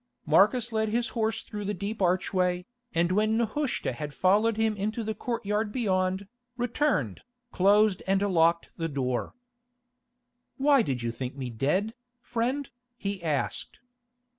Marcus led his horse through the deep archway, and when Nehushta had followed him into the courtyard beyond, returned, closed and locked the door. "Why did you think me dead, friend?" he asked.